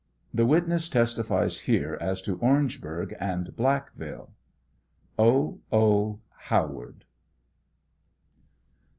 (The witness testifies here as to Orangeburg and Blackville.) O. O. HOWAED.